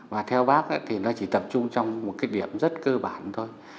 và theo bác thì nó chỉ tập trung trong một cái điểm rất cơ bản thôi